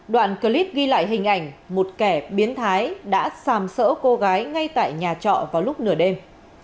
đoạn clip ghi lại hình ảnh một kẻ biến thái đã sàm sỡ cô gái ngay tại nhà trọ vào lúc nửa đêm